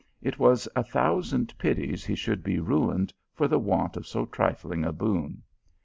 It was a thousand pities nt should be ruined for the want of so trifling a boon.